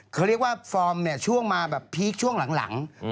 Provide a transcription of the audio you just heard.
เขาเรียกว่าฟอร์มเนี่ยช่วงมาแบบพีคช่วงหลัง